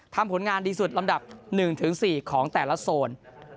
ผลงานดีสุดลำดับ๑๔ของแต่ละโซน